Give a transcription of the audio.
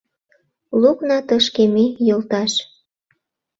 Лукна тышке ме, йолташ.